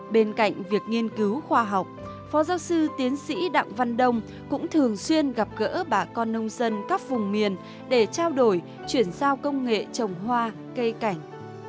bên cạnh việc nghiên cứu khoa học phó giáo sư tiến sĩ đặng văn đông cũng thường xuyên gặp gỡ bà con nông dân các vùng miền để trao đổi chuyển giao công nghệ trồng hoa cây cảnh